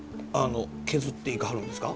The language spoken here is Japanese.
削っていかはるんですか？